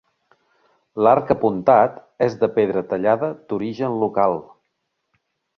L'arc apuntat és de pedra tallada d'origen local.